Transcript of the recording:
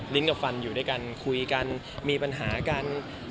ลิ้นกับฝันหลีกันคุยกันมีปัญหากัน